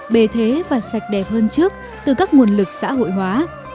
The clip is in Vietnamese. bề thế và sạch đẹp hơn trước từ các nguồn lực xã hội hóa